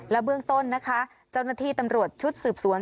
เบื้องต้นนะคะเจ้าหน้าที่ตำรวจชุดสืบสวน